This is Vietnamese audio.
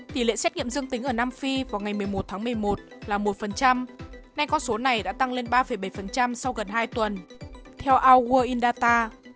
tỷ lệ xét nghiệm dương tính ở nam phi vào ngày một mươi một tháng một mươi một là một nay con số này đã tăng lên ba bảy sau gần hai tuần theo augua in data